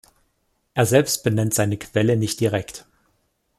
Er selbst benennt seine Quelle nicht direkt.